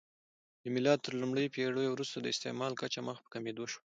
د میلاد تر لومړۍ پېړۍ وروسته د استعمل کچه مخ په کمېدو شوه